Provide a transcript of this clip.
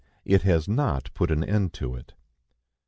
It has not put an end to it.